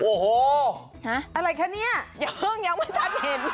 โอ้โหอะไรคะเนี่ยอย่าเพิ่งยังไม่ทันเห็น